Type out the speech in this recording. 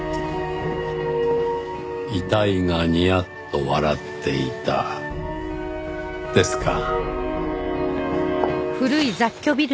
遺体がニヤッと笑っていたですか。